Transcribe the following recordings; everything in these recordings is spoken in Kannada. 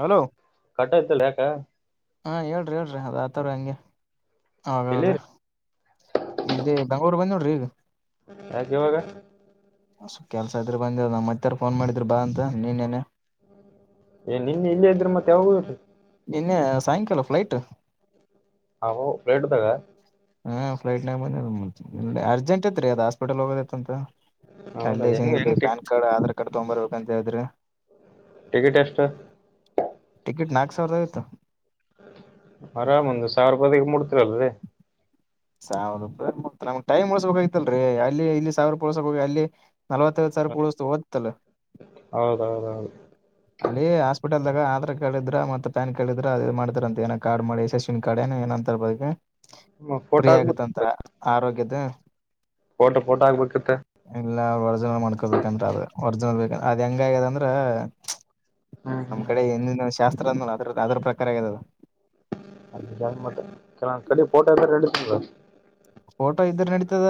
ಹಲೋ ಕಟ್ಟತಲಾ ಯಾಕ. ಹಾ ಹೇಳ್ರಿ ಹೇಳ್ರಿ ಅದ ಆತಾರಾ ಹಂಗೆ. ಹದ ಹೌದ ಎಲ್ಲಿರಿ ಇದೆ ಬಂಗ್ಳೂರ್ ಬಂದ್ ನೋಡ್ರಿ ಈಗ. ಯಾಕ ಇವಾಗ. ಅಸ ಕೆಲ್ಸ ಇದ್ರೆ ಬಂದ ನಮ್ಮ ಮತ್ತಾರ ಫೋನ್ ಮಾಡಿದ್ರಿ ಬಾ ಅಂತ ನೀನ್ನೆ. ಏ ನಿನ್ನ ಇಲ್ಲ ಇದ್ರೆ ಮತ್ತೆ ಯಾವಾಗ ಹೋದ್ರಿ. ಇನ್ನೆ ಸಾಯಂಕಾಲ ಫ್ಲೈಟ್. ಅವೋ ಫ್ಲೈಟ್ ದಾಗ. ಹಾ ಫ್ಲೈಟ್ ನ ಬಂದ ಅರ್ಜೆಂಟ್ ಐತ್ ಅದು ಹಾಸ್ಪಿಟಲ್ ಹೋಗೋದೇತ್ ಅಂತ. ಹೌದಾ ಅಲ್ಲ ಹೆಂಗ್ ಇಲ್ಲಿ ಹೆಂಗ್ ಪ್ಯಾನ್ ಕಾರ್ಡ್ ಆಧಾರ್ ಕಾರ್ಡ್ ತಗೊ ಬರ್ಬೇಕಂತ ಹೇಳಿದ್ರಿ. ಟಿಕೆಟ್ ಎಷ್ಟ. ಟಿಕೆಟ್ ನಾಲ್ಕ ಸಾವರದ ಐವತ್ತು. ಆರಾಮಂದು ಸಾವಿರೂಪದಿಗೆ ಮುಡ್ತಿರಲ್ದದೆ. ಸಾವಿರ ರ ನಮ ಟೈಮ್ ಉಳಸಕ ಆಐತಲ್ರರಿ ಅಲ್ಲಿ ಇಲ್ಲಿ ಸಾವಿರ ರಪಳಸಕ ಹೋಗಿ ಅಲ್ಲಿ. ನಲ್ವತ್ತೈ ಸರ ಪುಸತ ಹೊದತಲ್ಲ. ಹೌದೌದೌದು ಅಲ್ಲಿ ಹಾಸ್ಪಿಟಲ್ದಾಗ ಆಧಾರ್ ಕಾರ್ಡ್ ಇದ್ರ ಮತ್ತ ಪ್ಯಾನ್ ಕಾರ್ ಇದ್ರ ಅದು ಮಾಡ್ತಾರ ಅಂತ ಏೋ ಕಾರ್ಡ್ ಮಾಡಿ ಎಸಸ್ ಕಾರ್ ಏ ಏ. ಫೋಟೋ ಫ್ರೀ ಆಗತ್ತ ಅಂತ ಹಾಕ್ಬೇಕಿತ್ತ ಆರೋಗ್ಯದ. ಫೋಟೋ ಫೋಟೋ ಆಗ್ಬೇಕಿತ್ತ. ಇಲ್ಲ ಒರ್ಜಿನಲ್ ಮಾಡ್ಕೊಬೇಕಂದ್ರ ಅದ ಒರ್ಜಿನಲ್ ಬೇಕಂದ್ರ ಅದ ಹೆಂಗ ಆ್ಯದ ಅಂದ್ರೆ. ಹ್ಮ್ ನಮ್ಮ್ ಹ್ಮ್ ಕಡೆ ಹಿಂದಿನ ಶಾಸ್ತ್ರ ಅಂದ್ಮೇಲೆ ಅದ್ರ ಅದ್ರ ಪ್ರಕಾರ ಆದ. ಮತ್ತೆ ಕೆಲ ಕಡೆ ಪೋಟ್ರೆ ರೆಡಿ. ಫೋಟೋ ಇದ್ರ ನಡತದ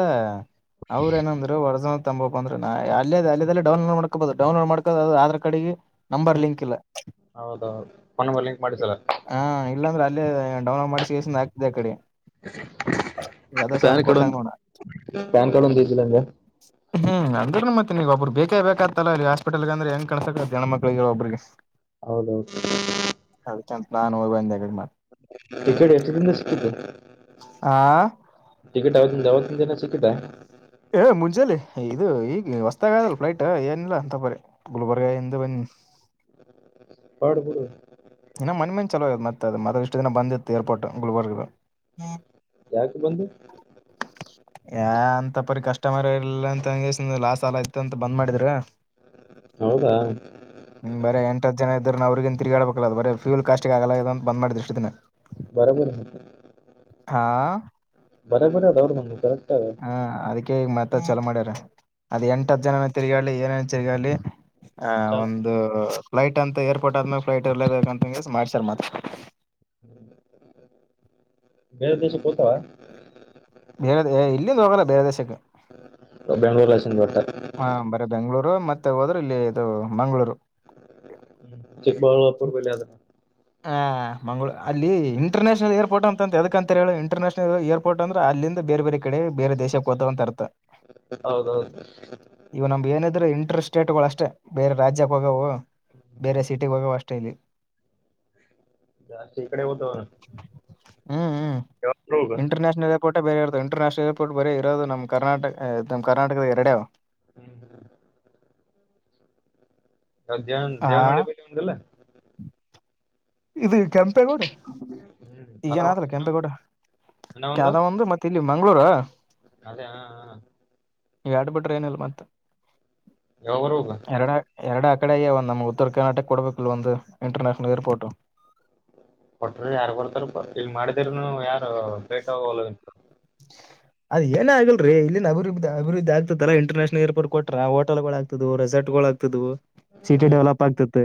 ಅವ್ರ ಏನಂದ್ರು ಒರ್ಸ ತ ಅಂದ್ರೆ ಅಲ್ಲೇ ಅಲ್ಲದೆಲ್ಲ ಡೌನಲೋಡ್ ಮಾಡಕೋಬಹದು ಡೌನಲೋಡ್ ಮಾಡಕೋ ಅದು ಆಧಾರ್ ಕಾರ್ಡಿಗೆ. ನಂಬರ್ ಹ್ಮ್ ಲಿಂಕ್ ಇಲ್ಲ ಹೌದೌದು ಫೋನ್ ನಂಬರ್ ಲಿಂಕ್ ಮಾಡಿಸಲ್ಲ ಹ ಇಲ್ಲಾಂದ್ರೆ ಅಲ್ಲೇ. ಡೌಲೋ ಮಾಡ್ ಆಗ್ತಿದೆ ಆ ಕಡೆ. ಯಾವ್ದೋ [inaudible] ಸಲ ಪ್ಯಾನ್ ಕಾರ್ಡ್ ಕೊಟ್ಟಾಗ ಒಂದು ನೋಡ ಪ್ಯಾನ್ ಕಾರ್ಡ್ [unintelligible] ನಿಮ್ಗ ಒಬ್ಬರ್ ಬೇಕೇಬೇಕಾಗತ್ತಲ್ಲಲ್ಲಿ ಹಾಸ್ಪಿಟಲ್ಗ ಅಂದ್ರ ಹೆಂಗ್ ಕಲ್ಸಕ್ ಆಗ್ತದರಿ ಹೆಣ್ಮಕ್ಳಗೆ ಎಲ್ಲಾ ಒಬ್ಬರಿಗಿ. ಹೌದೌದು. ನಾನ್ ಹೋಗಿ ಬಂದೆ [unintelligible] ಇಕಡಿ ಎಷ್ಟ [unintelligible] ಆ ಟಿಕಿಟ್ ಅವತ್ತದಿನ ಅವತ್ತೆದಿನ ಸಿಕಿತ್ತಾ. ಏ ಮುಂಜಾಲೆ ಇದು ಈಗ ಹೊಸ್ಥಾಗಿ ಆದಲ್ಲ ಪ್ಲೈಟ್ ಏನಿಲ್ಲ ಅಂತ ಪರಿ ಗುಲ್ಬರ್ಗ ಇಂದ ಬದಿನಿ. [inaudible] ಪಾಡ್ ಬಿಡು. ಇನ್ ಮನ್ನಿ ಮನ್ನಿ ಚಾಲು ಆಗ್ಯಾದ ಮತ್ತ ಇಷ್ಟು ದಿನ ಬಂದಿತ್ತು ಏರ್ಪೋರ್ಟ್ ಗುಲ್ಬರ್ಗ್ದಗ. ಯಾಕ ಬಂದಿತ್ತ. ಯ ಅಂತಪ್ಪರಿ ಕಸ್ಟಮರ್ ಇರ್ಲಿಲ್ಲ ಅಂತಂಗಸಿದ್ ಲಾಸ್ ಆಲತಿತಂತ್ ಬಂದ್ ಮಾಡಿದ್ರ. ಹೌದಾ ಹ್ಮ ಬರ ಎಂಟತ್ ಜನ ಇದ್ದರು ಅವ್ರಗನ್ ತಿರ್ಗಾಡಬೇಕ, ಅಲ್ ಬರೇ ಫ್ಯಲ್ ಕಾಸ್ಟ್ಗಿ ಆಗಲ್ಲ ಅಗ್ಯಾದ ಅಂತ ಬಂದ ಮಾಡಿದ್ರ ಇಸ್ಟ್ ದಿನ. ಬರಾಬರಿ. ಹಾ ಬರಾ ಬರಿ ಆದ್ ಅವರದ್ದುನು ಕರೆಕ್ಟ್ ಆದ್. ಹಾ ಈಗ ಅದಕ್ಕೆ ಮತ್ತ ಚಲೋ ಮಾಡ್ಯಾರ. ಅದ ಎಂಟ ಹತ್ತ ಜನ ತಿರಗಾಡ್ಲಿ ಏನೇನ ತಿರ್ಗಡ್ಲಿ. ಹ ಚಾಲ ಒಂದು ಫ್ಲೈಟ್ ಅಂತ ಏರ್ಪೋರ್ಟ್ ಆದ್ಮೇಲೆ ಫ್ಲೈಟ್ ಇರ್ಲೇಬೇಕಂತ ಅಂದ್ಗೆಸಿ ಹಂಗ ಮಾಡ್ಸರ್ ಮತ್ತ. [unintelligible] ದೇಶಕ್ಕ್ ಹೋತವ ಬೇರೆದ ಇಲ್ಲಿಂದ ಹೋಗಲ್ಲ ಬೇರೆ ದೇಶಕ್ಕ. ಬೆಂಗ್ಳೋರ್ಲಾಸ್ ಹ ಬರೇ ಬೆಂಗ್ಗಳೂರು ಮತ್ತೆ ಹೋದ್ರ ಇಲ್ಲಿ ಇದು ಮಂಗ್ಗಳೂರು. ಚಿಕ್ಕಬಳ್ಳಾಪುರ ಬಲ್ಲ ಆದ. ಆ ಮಂಗಳೂ ಅಲ್ಲಿ ಇಟರ್ನ್ಯಾಷನಲ್ ಏರ್ಪೋಟ್ ಅಂತ ಅಂದ್ ಎದಕ್ಕ ಅಂತರ ಹೇಳ. ಇಂಟರ್ನ್ಯಾಷನಲ್ಏಪೋರ್ಟ್ ಅಂದ್ರ ಅಲ್ಲಿಂದ, ಬೇರೆ ಬೇರೆ ಕಡೆ ಬೇರೆ ದೇಶಕ್ಕೆ ಹೋತವ ಅಂತ ಅರ್ಥ. ಹೌದೌದು. ಬರೇ ಸ್ಟೇಟ್ಗಳು ಅಷ್ಟೇ ಬೇರೆ ರಾಜ್ಯಕ್ಕೆೋಗವು ಬೇರೆ ಸಿಟಿ ಹೋಗವು ಅಷ್ಟೆ ಇಲ್ಲಿ. ಜಾಸ್ತಿ ಈಕಡೆ ಹೊತ್ವ ಅನ್. ಹ್ಮ್ ಹ್ಮ್ ಇಂಟರ್ನ್ಯಾಷನಲ್ [unintelligible] ಏರ್ಪೋರ್ಟ್ ಬೇರೆ ಇರ್ತವ್ ಇಂಟರ್ನ್ಯಾಷನಲ್ ಎರ್ಪೋರ್ಟ್ ಬೇರೆ ಇರೋದು ನಮ್ಮ ಕರ್ನಾಟ ನಮ್ಮ ಕರ್ನಾಟದ ಎರಡೇ ಅವ್. ಹ್ಮ, ಹ್ಮ ಯಾವ ದೇವ ಆ ದೇವನಹಳ್ಳಿ ಬಲ್ಲಿ [unintelligible] ಇದು ಕೆಂ ಪೇಗೌಡ ಅದ ಈಗೇಏನಾದ ಒಂದ್ ಅಲ್ ಕೆಂಪೇಗೌಡ ಕ ಒಂದು ಮತ್ತೆ ಇಲ್ಲಿ ಮಂಗ್ಗಳೂರ. ಅದೇ ಹಾ ಹ, ಎಡ್ ಬಿಟ್ರೆ ಏನಿಲ್ಲ ಮತ್ತ ಯಾವಾಗ ಹೋಗ ಎರಡ ಎರಡ, ಕಡೇ ಅಗ್ಯಾವ್ ಒಂದು ನಮಗ ಉತ್ತರ ಕರ್ನಾಟಕ ಕೊಡಬೇಕ ಇಲ್ಲ ಒಂದು ಇಂಟರ್ನ್ಯಾಷನಲ್ ಏರ್ಪೋರ್ಟ್. ಕೊಟ್ರ ಯಾರ ಬರ್ತಾರಪ ಇಲ್ ಮಾಡಿದೌರನು ಯಾರು ಬೇಟ ಅದ ಏನ ಆಗಲ್ರಿ ಇಲ್ಲಿ ಅಭಿವೃದ ಅಭಿವೃದ್ಧಿ ಆಗ್ತತ್ತಲ್ಲ ಇಟರ್ನ್ಯಾಷನಲ್ ಎರ್ಪೋರ್ಟ್ ಕೊಟ್ರ ಹೋಟಲ್ಗಳು ಆಗ್ತದಿವು. ರೆ ರೆಸಾರ್ಟ್ಗಳು ಆಗತಿದ್ದಿವು ಸಿಟಿ ಹ್ಮ್ ಡೆವಲಪ್ ಆಗ್ತಿತ್ತ.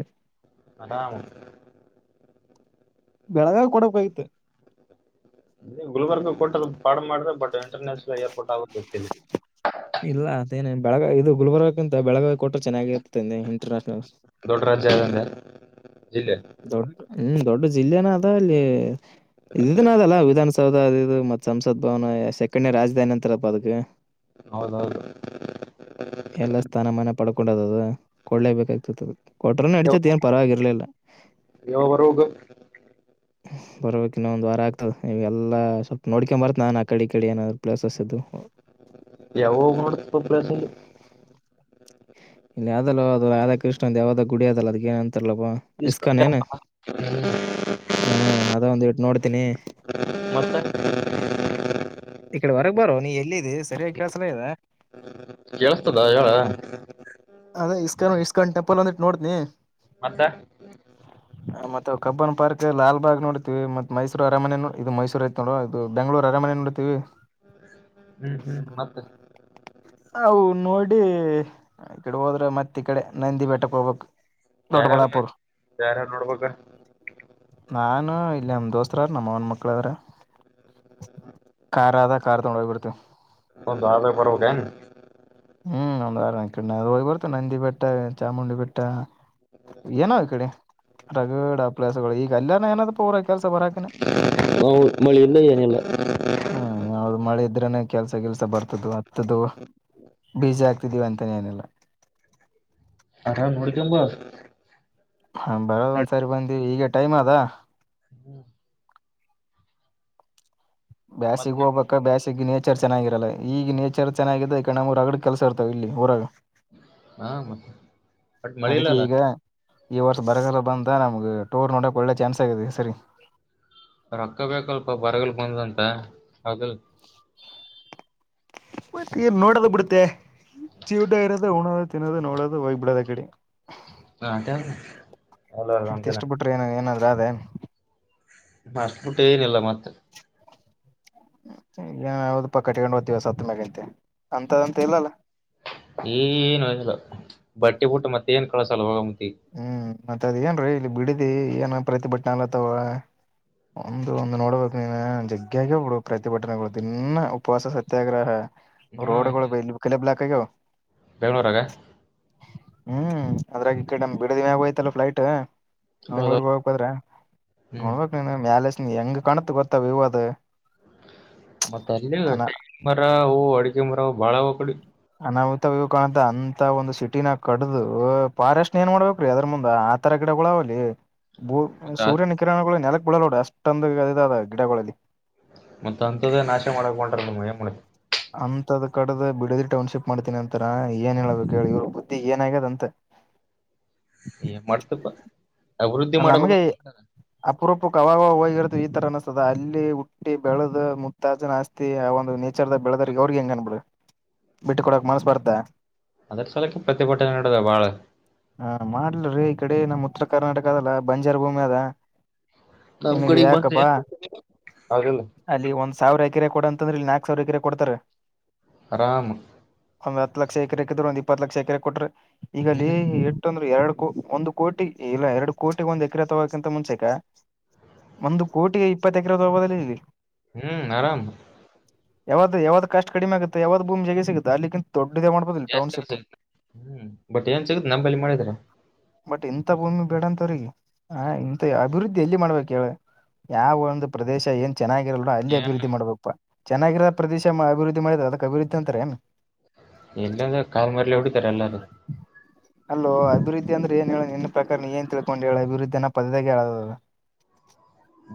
ಆರಾಮ್ ಬೆಳಗಾಂ ಕೊಡಬೇಕ ಆಗಿತ್ತ. ಅದೆ ಗುಲ್ಬರ್ಗ ಕೊಟ್ಟರ್ ಪಾಡ್ ಮಾಡ್ರೆ ಬಟ್ ಇಂಟರ್ನ್ಯಾಷನಲ್ ಏರ್ಪೋರ್ಟ್ ಆಗಬೇಕ್ ಇತ್ತಲಿ. ಇಲ್ ಅದೇನ್ ಬೆಳಗ ಇದು ಗುಲ್ಬರ್ಗಕ್ಕಿಂತ ಬೆಳಗಾವಿ ಕೊಟ್ಟ್ರ ಚೆನ್ನಾಗಿ ಇತ್ತ್. ತ್ತ ಇಂಟರ್ನ್ಯಷನಲ್ ಹ್ಮ. ದೊಡ್ಡ ರಾಜ್ಯ ಅದಂದೆ ಜಿಲ್ಲೆ ದೊಡ್ಡ ಜಿಲ್ಲೆನ ಆದ್ ಅಲ್ಲಿ ಇದನ ಆದಲ್ಲ ವಿಧಾನಸ ದ ಅದು ಮತ್ ಸಂಸತ್ ಭವನ ಸೆಕ್ದೆನೆ ರಾಜಧಾನಿ ಅಂತಾರಪ್ಪ ಅದಕ್ಕ. ಹೌದೌದು ಎಲ್ಲ ಸ್ಥಾನಮಾನ ಪಡ್ಕೊಂಡದ ಅದು. ಕೊಡ್ಲೇಬೇಕಾಗ್ತತಿತ್ತು ಅದ್ಕಕ ಕೊಟ್ರನು ನಡತಿತ್ತ ಏನ್ ಪರವಾಗಿರ್ಲಿಲ್ಲ. ರೋಗ್, ಬರ್ಬೇಕ ಇನ್ನ ಒಂದ್ ವಾರ ಆಗ್ತದೆ ಇಲ್ಲ ಸ್ವಲ್ಪ ನೋಡ್ಕೊಂಡ ಬರ್ತ ನಾನ ಆ ಕಡೆ ಕಡೆ ಏನಾದ್ ಪ್ಲೇಸಸ್ ಇದ್ದು ಯಾವಾಗ ನೋಡ್ತಪ್ಪ ಪ್ಲೇಸ್ ಇಲ್ಲಿ ಇಲ್ಲ ಯ್ದಲ್ಲ ಅದು ರಾ ಕೃಷ್ಣಂದ ಯಾವದ್ದ ಗುಡಿ ಅದಲ್ಲ ಅದ್ ಏನಂತ ಉತ್ತಲಗುವ ಇಸ್ಕಾನ್ ಡ್ಯಾಮ್ ಇಕನ್ನ ಹ್ಮ್ ಹ್ಮ ಅದ ಒಂದು ಇಟ್ಟು ನೋಡ್ತೀನಿ ಮತ್ತೆ ಇಕಡೆ ವರಗ್ ಬರೋ ನೀ ಎಲ್ಲಿದ್ದಿ ಸರಿಯ ಈ ಕಳಸಲ ಇದೆ [unintelligible] ಹೇಳ ಅದೇ ಇಸ್ಕಾನ್ ಇಸ್ಕಾನ್ ಟೆಂಪಲ್ ಅಂದಿಟ್ಟು ನೋಡತನಿ ಮತ್ತ ಇ ಕಬ್ಬನ್ ಪಾರ್ಕ್ ಲಾಲಬಾಗ್ ನೋಡತಿವಿ ಮೈಸೂರು ಅರಮನೆ ಇದು ಮೈಸೂರು ಐತೋ ಇದು ಬೆಂಗಳೂರು ಅರಮನೆ ನೋಡತೀವಿ ಹ್ಮ್ ಹ್ಮ್ ಮತ್ತೆ ಅವು ನೋಡಿ ಈ ಕಡೆ ಹೋದ್ರೆ ಮತ್ ಈ ಕಡೆ ನಂದಿ ಬೆಟ್ಟಕ್ ಹೋಗ್ಬೇಕಕ್ ಯಾರ್ಯಾರ ದೊಡ್ಡಬಳ್ಳಾಪುರ್ ಯಾರ್ಯಾರ ನೋಡ್ಬೇಕ ನಾ ಇಲ್ಲಿ ನಮ್ಮ್ ದೋಸ್ತತ್ರ ನಮ್ಮ್ ಅವನ ಮಕ್ಳ್ರ ಕಾರ್ ಅದ ಕಾರ್ ತೊಡು ಹೋಗ್ಬಿಡ್ತ ಒಂದು ಆ ಬರ್ಗನ್ ಹ್ಮ್ ಒಂದು ವಾರ ಹೋಗಿ ಬರ್ತೆ ನಂದಿ ಬೆಟ್ಟ ಚಾಮುಂಡಿ ಬೆಟ್ಟ ಏನೋ ಈ ಕಡೆ ರಗಡ ಪ್ಲೇಸಗಳು ಈಗ ಅಲ್ಲಯನ ಏನಾದ ಪೂರ ಕೆಲ್ಸ ಬರಕ ಹ ಮಳಿ ಇಲ್ಲ ಏನಿಲ್ಲ ಹ್ಮ್ ಯಾವ್ದ ಮಳೆ ಇದ್ರನೆ [unintelligible] ಕೆಲ್ಸ ಕೆಲ್ಸ ಬರ್ತದ ಹತ್ತದದು ಬೀಜಿ ಆಕ್ತಿದ್ದೀವಿ ಅಂತಾನೇ ಏನೆಲ್ಲ ಆರಾಮ್ ನೋಡ್ಕಂಬ ಹ ಬರೋದ ಒಂದ್ಸರಿ ಬಂದೀವಿ ಈಗ ಟೈಮ್ ಅದ ಹ್ಮ್ ಬೇ ಮತ್ತ ಸಿಗ ಹೋಗಬೇಕ ಬೇ ಸಿಗಿನ ನೇಚರ್ ಚೆನ್ನಾಗಿರಲ್ಲ ಈಗ ನೇಚರ್ ಚೆನ್ನಾಗಿದ ಈ ಕಣ್ಣರುರಗಡೆ ಕೆಸ ಇರ್ತಾವ ಇಲ್ಲಿ ಊರಾಗ ಹಾ ಮತ್ತೆ ಬಟ್ ಮಳೆ ಇಲ್ಲ ಅದಕ್ಕೆ ಅಲ್ಲ ಈಗ ಈ ವರ್ಷ ಬರಗಲ್ಲ ಬಂದ ನಮ್ಗ ಟೂರ್ ನೋಡಕ್ ಒಳ್ಳೆ ಚಾನ್ಸ್ ಆಗಿದೆ ಸರಿ ರೊಕ್ಕ ಬೇಕಲ್ಪ ಬರಗಲ್ ಬಂದಂತ ಅಲ್ ಮತ್ತನ್ ನೋಡದು ಬಿಡುತ್ತೆ ಚ್ಯೂಟ ಆ ಇರದದು ಉಣೋದು ತಿನ್ನೋದು ನೋಡೋದು ಹೋಗ್ಬಿಡೋದ ಕಡೆ ಹಾಟ ಮತ್ತ ಇಷ್ಟ ಬಿಟ್ರಿ ಏನ ಏನಾದ್ರ ಅದೇ ಏನ್ ಅಷ್ಟಬಿಟ್ಟು ಏನಿಲ್ಲ ಮತ್ತೆ ಯಾವದ ಪ ಕಟ್ಕೊಂಡು ದ್ತೀವ ಸತ್ತ ಮ್ಯಾಗಂತೆ ಅಂತದಂತ ಇಲ್ಲಲ್ಲ ಏನು ಇ ಬಟ್ಟೆ ಬಿಟ್ಟು ಮತ್ತೆ ಏನ್ ಕಳಸಲ್ಲ ಹೋಗ ಮತಿ ಹ್ಮ್ ಮತ್ತ ಅದ್ ಏನ್ರೀ ಇಲ್ಲಿ ಬಿಡಿದಿ ಏನ್ ಪ್ರತಿಭಟನೆ ಅಲ್ಲತ್ತವ ಒಂದು ಒಂದು ನೋಡ್ಬೇಕ ನೀನ್ ಜಗ್ಗ್ಯಗ ಹಡು ಪ್ರತಿಭಟನೆಗಳು ದನ್ನ ಉಪವಾಸ ಸತ್ಯಾಗ್ರಹ ಹಾ ರೋಡ್ಗಳು ಹಂಗೆ ಬ ಕೆಲೆ ಬ್ಲಾಕ್ಗೋ ಬೆಂಗಳೂರಾಗ ಹ್ಮ್ ಅದ್ರಾಗಿ ಕಡೆ ಬಿಡದಿವ ಆಗೋಯ್ತಲ್ಲ ಫೈಟ್ ಬೆಂಗಳೂರ್ಗ್ ಹೌದೌದು ಹೋಗ್ಬದ್ರ ಹ್ಮ್ ನೋಡ್ಬಕ್ ನೀನು ಮ್ಯಾಲಸ್ ಹೆಂಗ್ ಕಾಣತ್ ಗೊತ್ತ ವ್ಯವ ಅದ ಮತ್ತೆ ಅ ಅನ ಮರ ಅಡಿಕೆ ಮರ ಬಾಳಾವಕಡಿ ನಾವತ ಇ ಕಾಣಂತ ಅಂತ ಒಂದು ಸಿಟಿನ ನ ಕಡ್ದು ಫಾರೆಸ್ಟ್ ಏನ್ ಮಾಡ್ಬೇಕ್ರೀ ಅದ್ರ ಮುಂದ ಆ ತರ ಗಿಡ ಳಾವಲ್ಲಿೂ ಮತ್ತ ಸೂರ್ಯನ ಕಿರಣಗಳು ನೆಲಕ್ ಬಳಲಡ ಅಷ್ಟೊಂದು ಅದದ ಗಿಡಗಳಲ್ಲಿ ಮತ್ತ ಅಂಂತ್ದೇ ನಾಶೆ ಮಾಡಕ್ ಬಂ ಮಯಮಡಿ ಅಂತದ್ ಕಡ್ದ ಬಿಡದಿ ಟೌನ್ಶಿಪ್ ಮಾಡ್ತೀನಿ ಅಂತಾರ ಏನ್ ಹೇಳಬೇಕು ಹೇಳಿ ಇವ್ರ ಬುದ್ಧಿ ಏನ್ ಆ್ಯದಂತೆಂತ [inaudible] ಮತಪ್ಪ ಅ ನಮಗೆ ಅಪುರಪ ಕವವಾಗಿವಾಗಿರುತ್ತ ದು ಈ ತರ ಅನಿಸ್ತದ ಅಲ್ಲಿ ಹುಟ್ಟಿ ಬೆಳೆದ ಮುುತ್ತಾಜನ್ ಆಸ್ತಿ ಆ ಒಂದು ವಿಚಾರದ ಬೆಳೆದ್ರ ಅವ್ರಿಗೆ ಹೆಂಗ ಅನ್ಬ ಬಿ ಬಿಟ್ಟ ಕೊಡಕ್ ಮನಸ್ ಬರ್ತ ಅದಕ್ಕ ಸಲಕ್ಕೆ ಪ್ರತಿಭಟನೆ ನಡೆದ ಬಾಳ ಹ ಮಾಡ್ಲ್ರಿ ಈ ಕಡೆ ನಮ್ಮ್ ಉತ್ತರ ಕರ್ನಾಟಕದಲ್ಲ ಬಂಜಾರ ಭೂಮಿ ಅದ ನಮ್ ನಿನಗೆ ಕಡೆಗ್ ಬಂದ್ರೆ ಯಾಕಪ್ಪಾ ಏನ್ ಆಗಲ್ಲ ಅಲ್ಲಿ ಒಂದ್ ಸಾವಿರ ರೆ ಕೊಡ ಅಂತಂದ್ರ ಯಾಕ್ಸ್ ಅವ್ರರು ಈಕರೆ ಕೊಡ್ತಾರೆ ಆರಾಮ ಒಂದ್ ಹತ್ತು ಲಕ್ಷ ಎಕರೆಕ್ಕಿದ್ರು ಒಂದ ಇಪ್ಪತ್ತು ಲಕ್ಷ ಎಕರೆ ಕೊಟ್ರೆ ಈಗಲ್ಲಿ ಹ್ಮ್ ಇಟ್ಟ ಅಂದ್ರೆ ಎರಡು ಒಂದು ಕೋಟಿ ಇಲ್ಲ ಎರಡು ಕೋಟಿ ಒಂದ್ ಎಕರೆ ತಗಕಂತ ಮುಂಚೆಕ ಒಂದು ಕೋಟಿಿಗೆ ಇಪ್ಪತ್ತು ಎಕರೆ ತಗಲ್ಲಿ ಹ್ಮ್ ಆರಾಮ ಯಾವ್ದ ಯಾವ್ ಕಷ್ಟ ಕಡಿಮೆ ಆುತ್ತೆ ಯಾವ್ದ ಭೂಮಿ ಜಗ ಸಿಗುತ್ತೆ ಅಲ್ಲಿಕ್ಕಿಂತ ದೊಡ್ಡದೇ ಮಾಡ್ಬೋದಿಲ್ಲ ಜಾಸ್ತ ಟೌನ್ಶಿಪ್ ಸಿಗ ಹ್ಮ ಬಟ್ ಏನ್ ಸಿಗುತ್ತ ನಂಬಲ್ಲಿ ಮಾಡಿದರ ಬಟ್ ಎಂಂತ ಭೂಮಿ ಬೇಡಂತವಿಗೆ ಹ ಇಂತ ಅಭಿವೃದ್ಧಿ ಎಲ್ಲಿ ಮಾಡ್ಬೇಕ ಹೇಳ ಯಾವ ಒಂದು ಪ್ರದೇಶ ಏನ್ ಚೆನ್ನಾಗಿರಲ್ವಾ ಅಲ್ಲಿ ಏನ್ ಅಭಿವೃದ್ಧಿ ಮಾಡ್ಬೇಕಪ್ಪಾ ಚೆನ್ನಾಗಿರೋ ಪ್ರದೇಶ ಅಭಿವೃದ್ಧಿ ಮಾಡಿದ್ರ ಅದಕ್ ಅಭಿವೃದ್ಧಿ ಅಂತ ೇ ಎಲ್ಲಂದ ಕಲ್ ಮಾಡಲ್ಲ ಎಡು ತಾರೆ ಎಲ್ಲಾರ ಅಲ್ಲೋ ಅಭಿವೃದ್ಧಿ ಅಂದ್ರೆ ಏನ್ ಹೇಳೋ ನಿನ್ನ ಪ್ರಕಾರನ ಏನ್ ತಿಳ್ಕೊಂಡು ಹೇಳ ಅಭಿವೃದ್ಧಿಯನ ಪದದಾಗ [unintelligible] ಹೇಳೋದ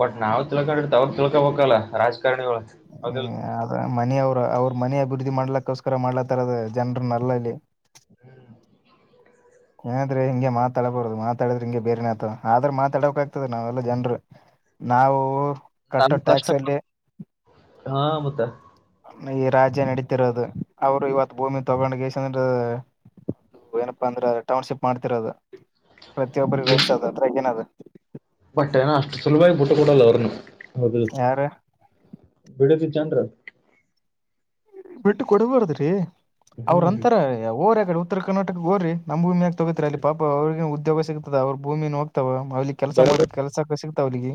ಬಟ್ ನಾವ್ ತಿಳ್ಕೊಂಡಿರ್ತ ಅವ್ರ ತಿಳ್ಕೊಬಬೇಕಲ್ಲ ರಾಜಕಾರಣಿಳ ಹೌದಿಲ್ಲ ಅದ ಮನಿ ಅವ್ರ ಅವ್ರ ಮನೆ ಅಭಿವೃದ್ಧಿ ಮಾಡಲಕ್ಕೋಸ್ಕರ ಮಾಡ್ಲತಾರದ ಜನರನ್ನ ಅಲ್ಲಲ್ಲಿ ಹ್ಮ್ ಏನಾದ್ರೆ ಹಿಂಗೆ ಮಾತಾಡಬಾರದು ಮಾತಾಡಿದ್ರೆ ಹಿಂಗೆ ಬೇರೆೇ ಆತ ಆದ್ರ ಮಾತಾಡಬೇಕಾ ಗತದ ಆಗ್ತದೆ ನಾವೆಲ್ಲಾ ಜನ್ರು ನಾವು ನನ್ ಕಟ್ಟೋ ಕಷ್ಟ ಟ್ಯಾಕ್ಸ್ ಅಲ್ಲಿ ಹಾ ಮುತ್ತ ಈ ರಾಜ್ಯ ನಡೀತಿರೋದು ಅವ್ರು ಇವತ್ತು ಭೂಮಿ ತಗೊಂಡ ಕೇಶಿಂದ್ರ ಏನಪ್ಪಾ ಅಂದ್ರೆ ಟೌನ್ಶಿಪ್ ಮಾಡ್ತಿರೋದು ಪ್ರತಿಯೊಬ್ಬ್ರ ರೇಟ್ಸ್ ಅದ ಅದ್ರಾಗ ಏನದ ಬಟ್ಟೆ ಏನ ಅಷ್ಟು ಸುಲಭವಾಗಿ ಬಿುಟ್ಟ ಕೊೂಡಲ್ಲ ಅವ್ರನು ಹೌದಿಲ್ ಯಾರ ಬಿಡದ [unintelligible] ಬಿಟ್ಟು ಕೊಡ್ಬಾರದ್ರಿ ಅವ್ರ ಹ್ಮ್ ಅಂತರ ಹೋರಿ ಅಕಡೆ ಉತ್ತರ ಕರ್ನಾಟಕಕ ಹೋರ್ರಿ ನಮಭೂಮಿಯಾಕ ತಗೋತರಿ ಅಲ್ಲಿ ಪಾಪ ಅವ್ರರಿಗೆ ಉದ್ಯೋಗ ಸಿಗ್ತದ ಅವ್ರ ಭೂಮಿ ಹೋಗ್ತಾವ ಅಲ್ಲಿ ಕೆಲಸ ಮಾಡ ಬರೋಬರ್ ಕೆಲಸಕ್ಕೆ ಸಿತ ಅವ್ರಿಗೆ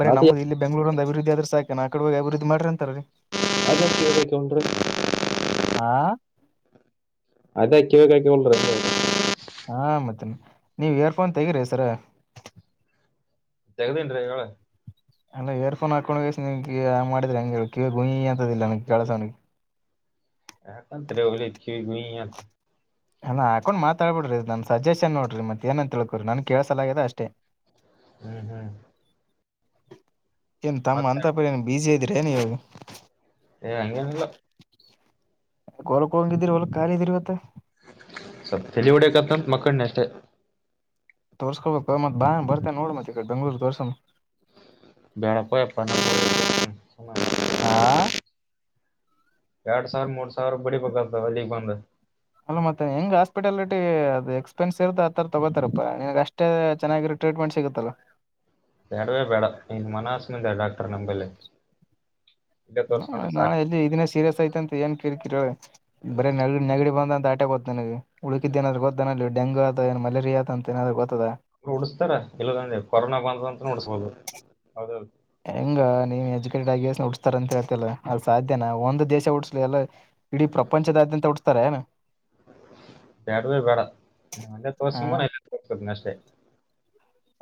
ಬರೆ ಅದು ನಮ್ದು ಇಲ್ಲಿ ಬೆಂಗಗಳೂಂದ ಅಭಿವೃದ್ಧಿ ಆದ್ರೆ ಸಾಕ ನ ಆ ಕಡೆೋಗಿ ಅಭಿವೃದ್ಧಿ ಮಾಡ್ರಿ ಅಂತರೀ [inaudible] ಆ ಅದ [inaudible] ಹಾ ಮತ್ತನ್ ನೀವ್ ಇಯರ್ಫೋನ್ ತೆಗಿರಿ ಸರ ತೆಗದೇನ್ರೀ ಹೇಳ ಅಲ್ಲ ಇಯರ್ಫೋನ್ ಹಾಕೊಂಡ್ ಕೇಶಿಂದ ಮಾಡಿದ್ರಿ ಹಂಗ ಕ ಗುಯಿ ಅಂತದಿಲ್ಲ ನಗ್ ಕಳಸನಿಗೆ [inaudible] ಹಕಂತರೆ ಒಳ ಕಿವಿ ಗುಯಂತ ಅಲ್ಲ ಹಾಕೊಂಡ್ ಮಾತಾಡ್ಬಿಡ್ರಿ ನನ್ನನ್ ಸಜೆಷನ್ ನೋಡ್ರಿ ಮತ್ತ ಏನಂತ ತಿಳ್ಕೋರಿ ನನ್ ಕೇಳಸಲಾಗೆದ ಅಷ್ಟೇ ಹ್ಮ್ ಹ್ಮ್ ಏನ್ ತಮ್ಮ ಮತ್ತ ಅಂತ ಪರಿ ಏನ್ ಬೀಜಿ ಅದಿರೇನ್ ನೀವ್ ಹೇ ಅಂಗೆನೀಲ್ಲ ಹೊಲಕ್ ಹೋಗಂಗಿದ್ದೀರಿ ಹೊಲಕ್ ಖಾಲಿ ಅದಿರಿವತ್ತ ಸೊಪ್ ತಲಿ ಹೊಡ್ಯಾಕತಂತ ಮಕ್ಕೊಂಡಿನ್ ಅಷ್ಟೇ ತೋರ್ಸ್ಕೊಬೇಕ ಮತ್ ಬಾ ಬರ್ತೆ ನೋಡ ಮತ್ ಈ ಕಡೆ ಬೆಂಗ್ಳೂರ್ ತೋರ್ಸಂ ಬೇಳ ಪಯಪ್ಪ ಹಾ [unintelligible] ಯಾಡ್ ಸಾವಿರ ಮೂರ್ ಸಾವಿರ ಬಡಿಬೇಕಾತದ ಅಲ್ಲಿಗ ಬಂದ ಅಲ್ಲ ಮತ್ತ ಹೆಂಗ್ ಹಾಸ್ಪಿಟಲ್ಟಿ ಅದು ಎಕ್ಸ್ಪೆನ್ಸ್ ಇರ್ದ ಆ ತರ ತಗೋತಾರಪ್ಪಾ ನಿನ್ಗೆ ಅಷ್ಟೇ ಚೆನ್ನಾಗಿರ್ ಟ್ರೀಟ್ಮೆಂಟ್ ಸಿಗುತ್ತಲ್ಲ ಬ್ಯಾಡ್ವೆ ಬ್ಯಾಡಾ ನೀ ಮನಾಸುಮಂದ ಡಾಕ್ಟರ್ ನಂಬಲ್ಲಿ ಇಲ್ಲೇ ಹ ತೋರ್ಸ್ಕೊಂಡ್ರೆ ನಾ ಸಾಕು ಎ ಇದಿನ ಸೀರಿಯಸ್ ಯ್ತ ಅಂತ ಏನ್ ಕೇಳ್ತೀರ ಬರ ನಗ ನೆಗಡಿ ಬಂದಂತ ಆಟಕ್ ಗೊತ್ತ ನಿನಗ ಉಳಕಿದ್ದ ಏನರ ಗೊತ್ತಾನ ಅಲ್ಲಿ ಡೆಂಗ ಆತ ಏ ಮಲರಿಯ ಅಂತನ ಗೊ ರು ಉುಡಸ್ತಾರೆ ಇಲ್ಲದಂದೆ ಕೊರೋನಾ ಬಂದ ಅಂತ ನುಡ್ಸ್ಬೋದು ಹೌದಿಲ್ ಹೆಂಗ ನೀವ್ ಎಜುಕೇಟೆಡ್ ಆಗಿ ಉಡ್ಸ್ತಾರ ಅಂತ ಹೇಳ್ತಿಲ್ಲ ಅದು ಸಾಧ್ಯನಾ ಒಂದು ದೇಶ ಉಡ್ಸ್ಲಿ ಎಲ್ಲ ಇಡೀ ಪ್ರಪಂಚದಾದ್ಯಂತ ಹುಟ್ಟುಸ್ತಾರೇನ ಬ್ಯಾಡ್ವೆ ಬ್ಯಾಡಾ ಹಂಗೆ ತೊಗೊ ಹಾ ಸುಮೂನ್ [unintelligible] ತೋಕತನ ಅಷ್ಟೇ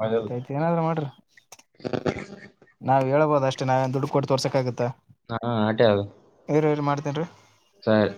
ಹೌದಲ್ ಆಯ್ತಾಯ್ತು ಏನಾದ್ರೂ ಮಾಡ್ರ ನಾವ್ ಹೇಳ್ಬೋದ ಅಷ್ಟ ನಾವ್ ಏನ್ ದುಡು ಕೊಟ್ಟ ತೋರ್ಸಕ್ಕಾಗುತ್ತಾ ಹಾ ಆಟೆ ಆಳ ಮಾಡ್ತೇನ್ರಿ ಸರಿ